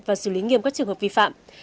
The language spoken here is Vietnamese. và xử lý nghiêm các trường hợp vi phạm